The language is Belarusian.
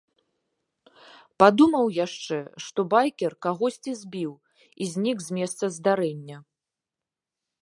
Падумаў яшчэ, што байкер кагосьці збіў і знік з месца здарэння.